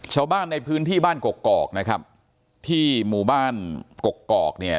ชาวบ้านในพื้นที่บ้านกกอกนะครับที่หมู่บ้านกกอกเนี่ย